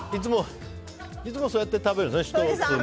いつもそうやって食べるんですね。